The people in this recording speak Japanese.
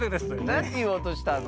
なんていおうとしたの？